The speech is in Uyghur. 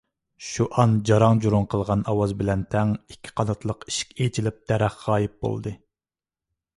شۇئان جاراڭ - جۇراڭ قىلغان ئاۋاز بىلەن تەڭ ئىككى قاناتلىق ئىشىك ئېچىلىپ دەرەخ غايىب بولدى.